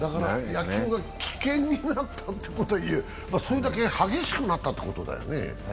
野球が危険になったというか、それだけ激しくなったということだよね。